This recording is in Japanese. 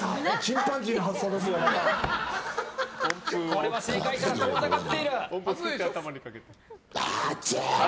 これは正解から遠ざかっている。